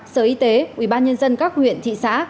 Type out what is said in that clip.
sở y tế ubnd các huyện thị xã